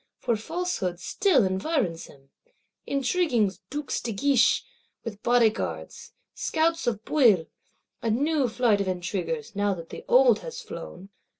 For falsehood still environs him; intriguing Dukes de Guiche, with Bodyguards; scouts of Bouillé; a new flight of intriguers, now that the old is flown.